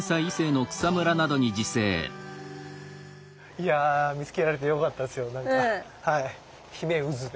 いや見つけられてよかったですよなんかヒメウズね。